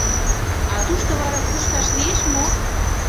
А тушто вара кушташ лиеш мо?